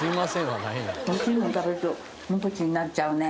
美味しいもの食べると無口になっちゃうね。